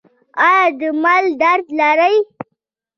ایا د ملا درد لرئ؟